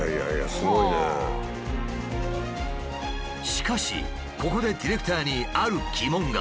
しかしここでディレクターにある疑問が。